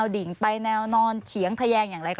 สวัสดีค่ะที่จอมฝันครับ